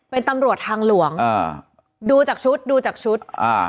เป็นตำรวจทางหลวงอ่าดูจากชุดดูจากชุดอ่า